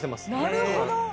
なるほど！